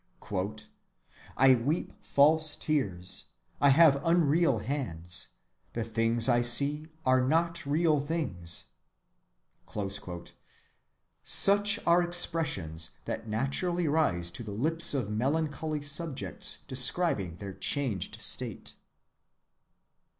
—"I weep false tears, I have unreal hands: the things I see are not real things."—Such are expressions that naturally rise to the lips of melancholy subjects describing their changed state.